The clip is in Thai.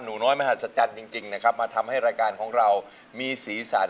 หนูน้อยมหัศจรรย์จริงนะครับมาทำให้รายการของเรามีสีสัน